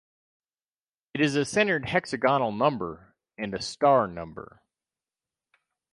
It is a centered hexagonal number and a star number.